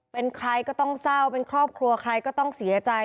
เป็นใครก็ต้องเศร้าเป็นครอบครัวใครก็ต้องเสียใจ